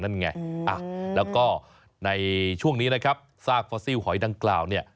แล้วก็ในช่วงนี้ซากฟอสซิลหอยดังกล่าว